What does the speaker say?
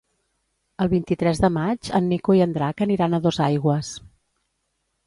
El vint-i-tres de maig en Nico i en Drac aniran a Dosaigües.